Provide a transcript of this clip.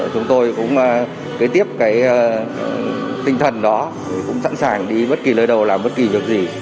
chúng tôi cũng kế tiếp cái tinh thần đó cũng sẵn sàng đi bất kỳ lời đầu làm bất kỳ việc